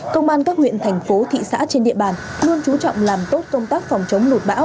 công an các huyện thành phố thị xã trên địa bàn luôn chú trọng làm tốt công tác phòng chống lụt bão